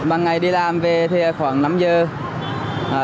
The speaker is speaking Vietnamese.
ban ngày đi làm về khoảng năm h